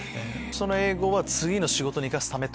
その英語は仕事に生かすため？